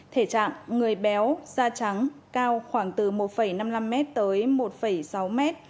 thể trạng người béo da trắng cao khoảng từ một năm mươi năm m tới một sáu m